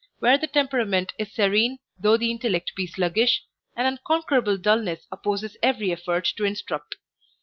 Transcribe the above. Where the temperament is serene though the intellect be sluggish, an unconquerable dullness opposes every effort to instruct.